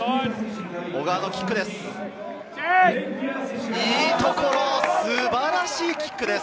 小川のキックです。